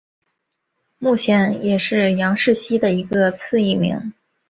目前也是杨氏蜥的一个次异名。